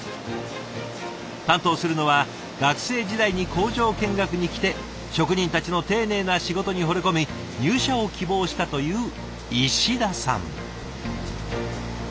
担当するのは学生時代に工場見学に来て職人たちの丁寧な仕事にほれ込み入社を希望したという石田さん。